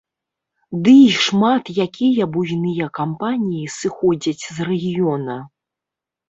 Ды і шмат якія буйныя кампаніі сыходзяць з рэгіёна.